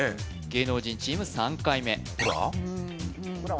芸能人チーム３回目「フラ」？